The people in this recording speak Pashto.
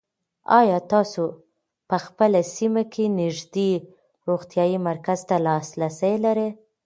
آیا تاسو په خپله سیمه کې نږدې روغتیایي مرکز ته لاسرسی لرئ؟